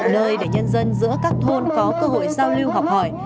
là nơi để nhân dân giữa các thôn có cơ hội giao lưu học hỏi